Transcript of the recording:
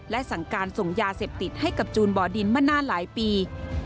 และสั่งการส่งยาเสพติดให้กับจูนบ่อดินมานานหลายปี